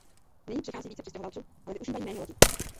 Nyní přichází více přistěhovalců, ale využívají méně lodí.